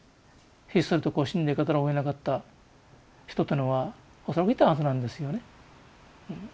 ひっそりと死んでいかざるをえなかった人というのは恐らくいたはずなんですよね。